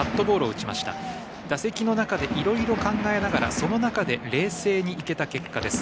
打席の中でいろいろ考えながらその中で冷静にいけた結果です。